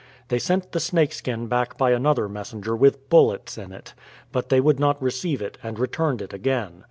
They sent the snake skin back by another messenger with bullets in it ; but they would not receive it, and returned it again.